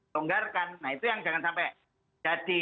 tonggarkan nah itu yang jangan sampai